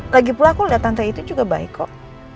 lagipula aku liat tante itu juga baik kok